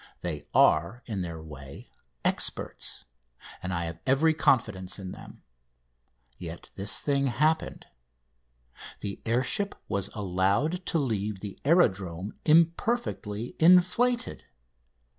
They are in their way experts, and I have every confidence in them. Yet this thing happened: the air ship was allowed to leave the aerodrome imperfectly inflated.